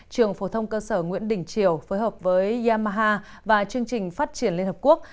trường phổ thông cơ sở nguyễn đình triều phối hợp với yamaha và chương trình phát triển liên hợp quốc